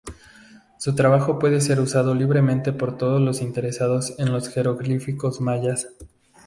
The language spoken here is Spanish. Su trabajo puede ser usado libremente por todos los interesados en los jeroglíficos mayas.